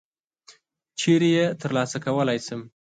چیري یې ترلاسه کړلای شم ؟